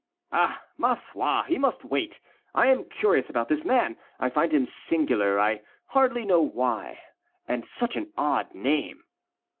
"Ah! ma foi, he must wait. I am curious about this man. I find him singular, I hardly know why. And such an odd name."